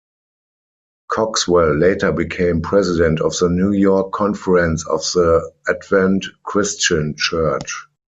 Cogswell later became president of the New York Conference of the Advent Christian Church.